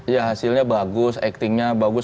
ya hasilnya bagus actingnya bagus